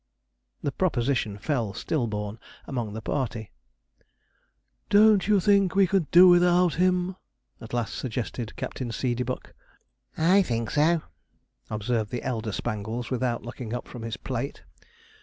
The proposition fell still born among the party. 'Don't you think we can do without him?' at last suggested Captain Seedeybuck. 'I think so,' observed the elder Spangles, without looking up from his plate.